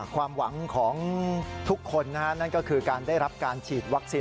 ความหวังของทุกคนนั่นก็คือการได้รับการฉีดวัคซีน